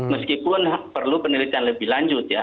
meskipun perlu penelitian lebih lanjut ya